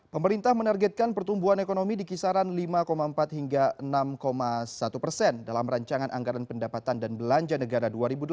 pemerintah menargetkan pertumbuhan ekonomi di kisaran lima empat hingga enam satu persen dalam rancangan anggaran pendapatan dan belanja negara dua ribu delapan belas